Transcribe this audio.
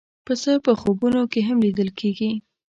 پسه په خوبونو کې هم لیدل کېږي.